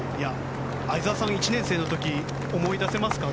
相澤さんが１年生の時思い出せますか？